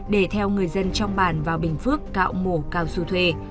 để theo người dân trong bản vào bình phước cạo mổ cao xu thuê